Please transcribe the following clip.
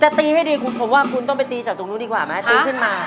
จะตีให้ดีคุณต้องไปตีจากตรงนู้นดีกว่าไหม